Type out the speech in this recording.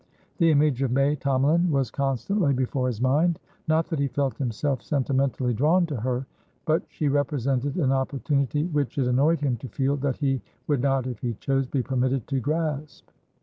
The image of May Tomalin was constantly before his mind. Not that he felt himself sentimentally drawn to her; but she represented an opportunity which it annoyed him to feel that he would not, if he chose, be permitted to grasp.